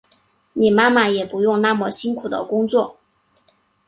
你妈妈也不用那么辛苦的工作